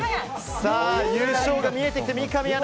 優勝が見えてきた三上アナ。